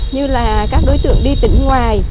như là các đối tượng đi tỉnh ngoài